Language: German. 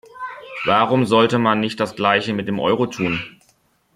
Warum sollte man nicht das Gleiche mit dem Euro tun?